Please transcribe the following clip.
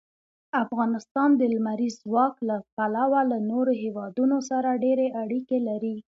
افغانستان د لمریز ځواک له پلوه له نورو هېوادونو سره ډېرې اړیکې لري.